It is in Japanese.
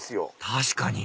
確かに！